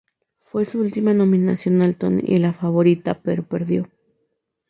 Fue su última nominación al Tony y la favorita pero perdió.